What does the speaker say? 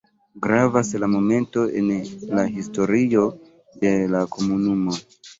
Gravas la momento en la historio de la komunumo.